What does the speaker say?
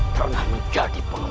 pernah menjadi penguamu